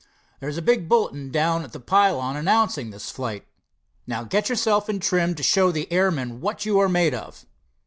There's a big bulletin down at the pylon announcing this flight. Now get yourself in trim, to show the airmen what you're made of.